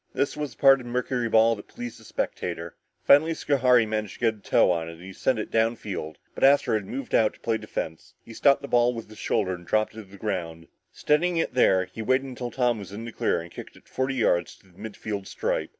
This was the part of mercuryball that pleased the spectator. Finally, Schohari managed to get a toe on it and he sent it down field, but Astro had moved out to play defense. He stopped the ball on his shoulder and dropped it to the ground. Steadying it there, he waited until Tom was in the clear and kicked it forty yards to the mid field stripe.